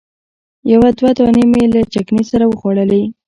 یو دوه دانې مې له چکني سره وخوړلې.